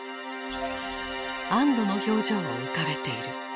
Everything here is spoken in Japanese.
安どの表情を浮かべている。